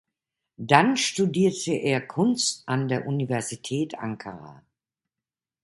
Dann studierte er Kunst an der Universität Ankara.